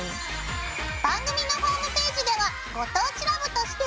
番組のホームページでは「ご当地ＬＯＶＥ」として。